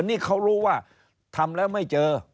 นี่เขารู้ว่าทำแล้วไม่เจอ